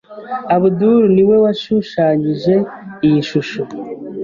Abdul niwe washushanyije iyi shusho.